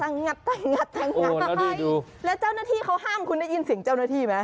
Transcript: งัดทางมาให้แล้วเจ้าหน้าที่เขาห้ามคุณได้ยินเสียงว่าเจ้าหน้าที่มั้ย